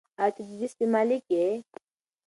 آیا ته د دې سپي مالیک یې؟